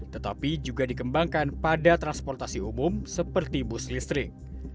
tetapi juga dikembangkan pada transportasi umum seperti bus listrik